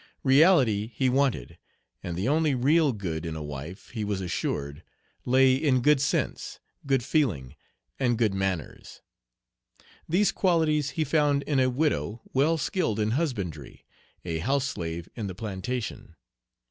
Reality he wanted, and the only real good in a wife, he was assured, lay in good sense, good feeling, and good manners. These qualities he found in a widow, well skilled in husbandry, a house slave in the plantation.